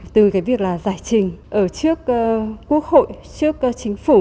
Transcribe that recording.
từ cái việc là giải trình ở trước quốc hội trước chính phủ